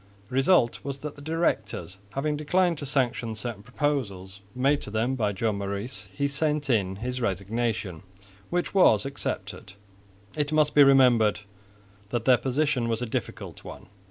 The result was that, the directors having declined to sanction certain proposals made to them by Joan Maurice, he sent in his resignation, which was accepted (1644). It must be remembered that their position was a difficult one.